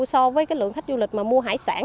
so với cái lượng khách du lịch mà mua hải sản